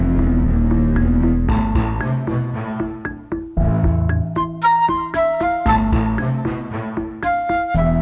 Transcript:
gila ngapain pelan pelan